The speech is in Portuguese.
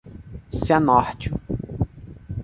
Cianorte